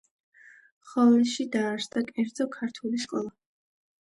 ხოვლეში დაარსდა კერძო ქართული სკოლა.